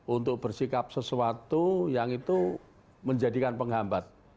untuk bersikap sesuatu yang itu menjadikan penghambat